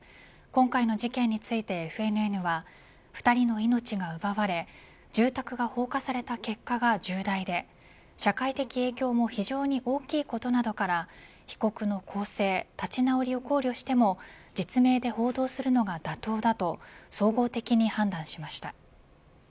今回の事件についてＦＮＮは２人の命が奪われ住宅が放火された結果が重大で社会的影響も非常に大きいことなどから被告の更生立ち直りを考慮しても実名で報道するのが妥当だと総合的に判断しました。